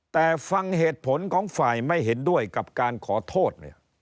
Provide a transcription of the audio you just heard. แต่ฟังเหตุผลของฝ่ายไม่เห็นด้วยกับการขอโทษ